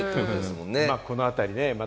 この辺りね。